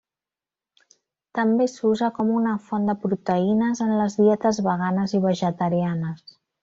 També s’usa com una font de proteïnes en les dietes veganes i vegetarianes.